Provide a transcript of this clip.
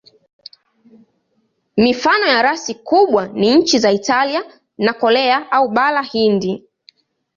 Mifano ya rasi kubwa ni nchi za Italia na Korea au Bara Hindi.